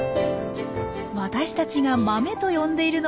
私たちが「豆」と呼んでいるのもタネ。